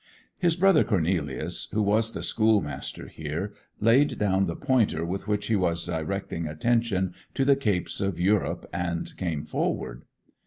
His brother Cornelius, who was the schoolmaster here, laid down the pointer with which he was directing attention to the Capes of Europe, and came forward.